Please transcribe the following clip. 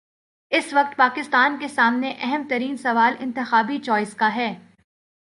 اس وقت پاکستان کے سامنے اہم ترین سوال انتخابی چوائس کا ہے۔